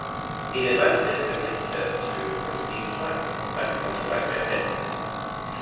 He demanded of a visitor to Epstein's flat, Have you come to blackmail him?